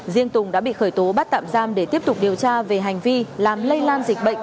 riêng tùng đã bị khởi tố bắt tạm giam để tiếp tục điều tra về hành vi làm lây lan dịch bệnh